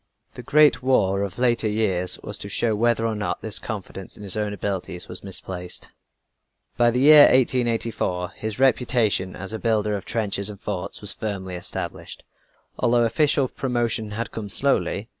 The Great War of later years was to show whether or not this confidence in his own abilities was misplaced. By the year 1884, his reputation as a builder of trenches and forts was firmly established, although official promotion had come slowly.